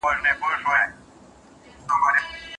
نو په ذهن کي دې پاته کېږي.